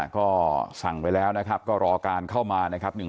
ก็สั่งไปแล้วนะครับก็รอการเข้ามานะครับ